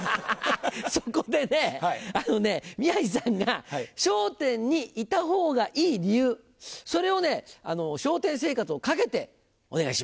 そこでね宮治さんが『笑点』にいたほうがいい理由それを笑点生活を懸けてお願いします。